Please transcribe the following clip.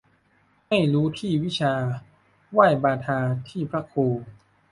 ให้รู้ที่วิชา ไหว้บาทาที่พระครู